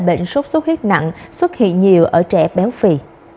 bệnh sốt sốt huyết nặng xuất hiện nhiều ở trẻ béo phì